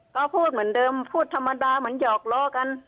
ก็พูดเหมือนเดิมพูดธรรมดาเหมือนหยอกล้อกัน